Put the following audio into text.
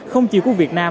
không chỉ của việt nam